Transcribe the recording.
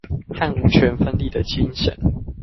和五權分立的精神